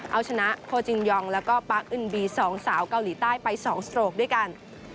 เอาชนะโคจินยองและปั๊กอื่นบีสองสาวเกาหลีใต้ไป๒โสโตรกด้วยกัน